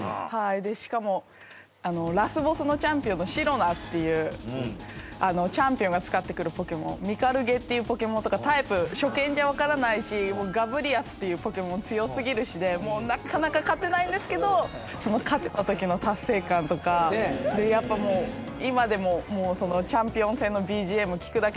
しかも、ラスボスのチャンピオンのシロナっていうチャンピオンが使ってくるポケモンミカルゲっていうポケモンとかタイプ、初見じゃわからないしガブリアスっていうポケモン強すぎるしでなかなか勝てないんですけど勝てた時の達成感とか。やっぱ、もう、今でも。